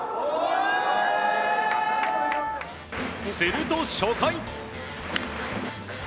すると、初回。